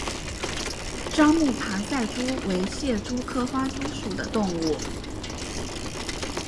樟木爬赛蛛为蟹蛛科花蛛属的动物。